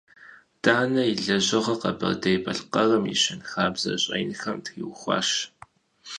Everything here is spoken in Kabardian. Данэ и лэжьыгъэр Къэбэрдей-Балъкъэрым и щэнхабзэ щӀэинхэм триухуащ.